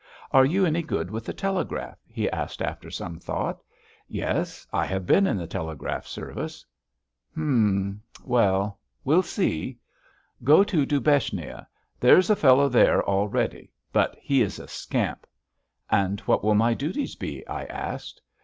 "Are you any good with the telegraph?" he asked after some thought. "Yes. I have been in the telegraph service." "Hm.... Well, we'll see. Go to Dubechnia. There's a fellow there already. But he is a scamp." "And what will my duties be?" I asked.